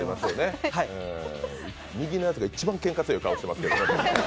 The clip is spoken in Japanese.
右のやつが一番けんか強い感じしますけど。